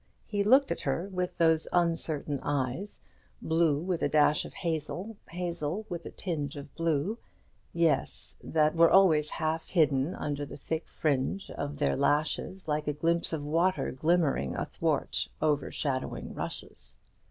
He looked at her with those uncertain eyes, blue with a dash of hazel, hazel with a tinge of blue, eyes that were always half hidden under the thick fringe of their lashes, like a glimpse of water glimmering athwart overshadowing rushes.